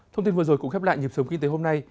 thông tin vừa rồi cũng khép lại nhịp sống kinh tế hôm nay